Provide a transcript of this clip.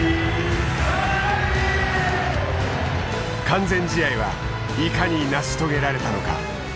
完全試合はいかに成し遂げられたのか。